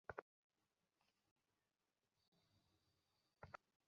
তাহার জীবন তখন অধম ভিক্ষুকের জীবন মাত্র।